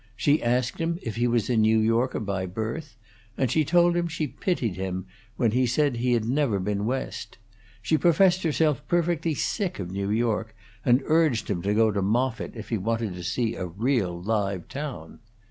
She asked him if he was a New Yorker by birth; and she told him she pitied him, when he said he had never been West. She professed herself perfectly sick of New York, and urged him to go to Moffitt if he wanted to see a real live town.